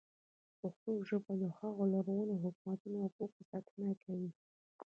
پښتو ژبه د هغو لرغونو حکمتونو او پوهې ساتنه کوي.